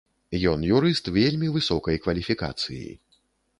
Ён юрыст вельмі высокай кваліфікацыі.